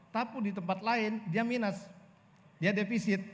tapi di tempat lain dia minus dia defisit